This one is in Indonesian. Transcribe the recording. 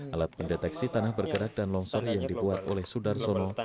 alat pendeteksi tanah bergerak dan longsor yang dibuat oleh sudarsono